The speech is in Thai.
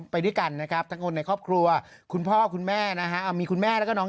ไปด้วยกันนะครับทั้งคนในครอบครัวคุณพ่อคุณแม่นะฮะมีคุณแม่แล้วก็น้อง